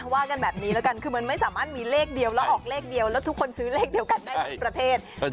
ว่ากันแบบนี้แล้วกันคือมันไม่สามารถมีเลขเดียวแล้วออกเลขเดียวแล้วทุกคนซื้อเลขเดียวกันได้ทั้งประเทศ